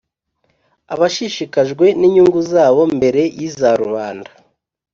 abashishikajwe n' inyungu zabo mbere y' iza rubanda